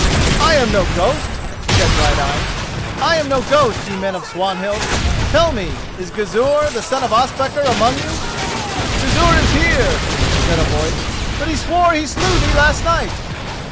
"I am no ghost," said Brighteyes. "I am no ghost, ye men of Swanhild. Tell me: is Gizur, the son of Ospakar, among you?" "Gizur is here," said a voice; "but he swore he slew thee last night."